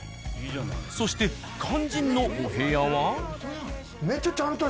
そして肝心のお部屋は。